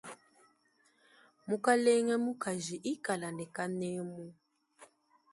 Mukalenge mukaji ikala ne kanemu.